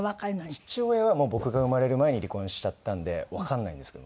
父親はもう僕が生まれる前に離婚しちゃったんでわからないんですけど。